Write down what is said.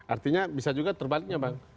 artinya bisa juga terbaliknya bang